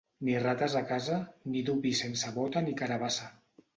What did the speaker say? Ni rates a casa, ni dur vi sense bota ni carabassa.